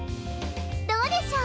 どうでしょう？